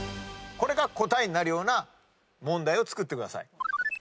これが答えになるような問題を作ってください。